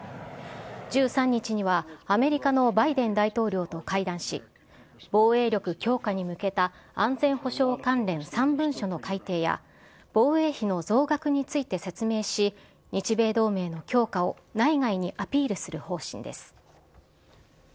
１３日には、アメリカのバイデン大統領と会談し、防衛力強化に向けた安全保障関連３文書の改定や、防衛費の増額について説明し、日米同盟の強化を内外にアピールする方針です。